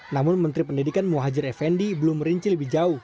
namun menteri pendidikan muhajir effendi belum merinci lebih jauh